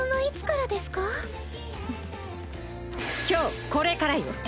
今日これからよ。